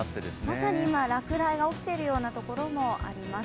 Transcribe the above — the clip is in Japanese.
まさに今、落雷が起きているところもあります。